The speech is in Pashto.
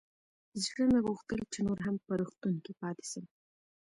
زړه مې غوښتل چې نور هم په روغتون کښې پاته سم.